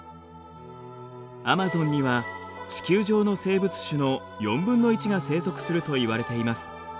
アマゾンには地球上の生物種の４分の１が生息するといわれています。